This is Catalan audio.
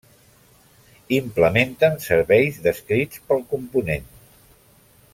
Implementen serveis descrits pel Component.